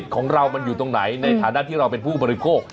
ของเรามันอยู่ตรงไหนในฐานะที่เราเป็นผู้บริโภค